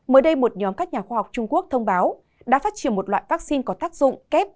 mới đây một nhóm các nhà khoa học trung quốc thông báo đã phát triển một loại vaccine có tác dụng kép